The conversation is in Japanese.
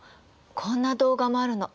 こんな動画もあるの。